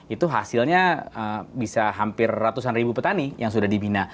itu hasilnya bisa hampir ratusan ribu petani yang sudah dibina